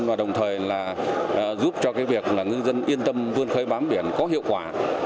và đồng thời là giúp cho cái việc là ngư dân yên tâm vươn khởi bám biển có hiệu quả